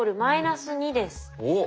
おっ。